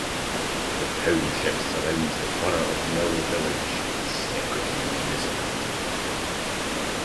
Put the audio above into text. The township surrounds the borough of Mill Village, a separate municipality.